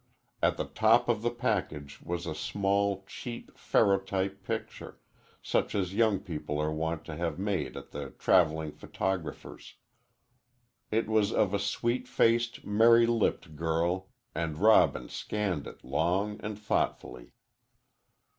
At the top of the package was a small, cheap ferrotype picture, such as young people are wont to have made at the traveling photographer's. It was of a sweet faced, merry lipped girl, and Robin scanned it long and thoughtfully.